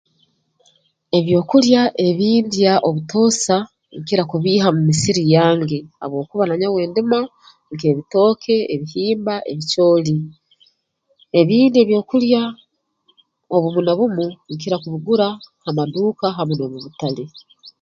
Ebyokulya ebi ndya obutoosa nkira kubiiha omu misiri yange habwokuba nanyowe ndima nk'ebitooke ebihimba ebicooli ebindi ebyokulya obumu na bumu nkira kubigura ha maduuka hamu n'omu butale